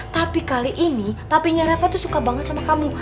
tapi kali ini papinya reva itu suka banget sama kamu